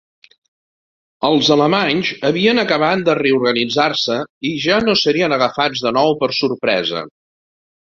Els alemanys havien acabat de reorganitzar-se i ja no serien agafats de nou per sorpresa.